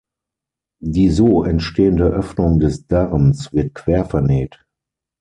Die so entstehende Öffnung des Darms wird quer vernäht.